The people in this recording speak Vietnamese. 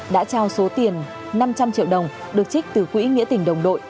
đã trao số tiền năm trăm linh triệu đồng được trích từ quỹ nghĩa tỉnh đồng đội